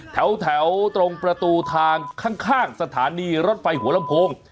แถวตรงประตูทางข้างสถานีรถไฟหัวลำโพง